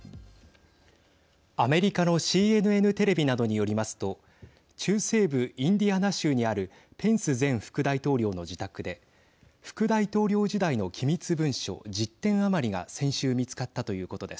アメリカのＣＮＮテレビなどによりますと中西部インディアナ州にあるペンス前副大統領の自宅で副大統領時代の機密文書１０点余りが先週見つかったということです。